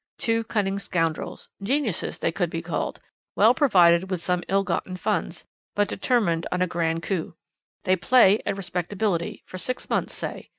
Two cunning scoundrels geniuses they should be called well provided with some ill gotten funds but determined on a grand coup. They play at respectability, for six months, say.